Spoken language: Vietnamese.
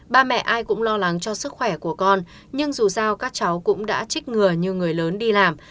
ba mẹ ai cũng lo lắng cho sức khỏe của con nhưng dù sao các cháu cũng đã trích ngừa như người lớn đi làm